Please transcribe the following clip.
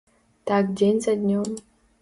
Так дзень за днём.